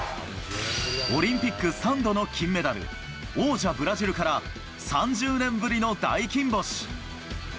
オリンピック３度の金メダル、王者ブラジルから３０年ぶりの大金星。